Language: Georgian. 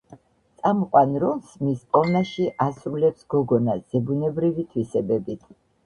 წამყვან როლს მის პოვნაში ასრულებს გოგონა ზებუნებრივი თვისებებით.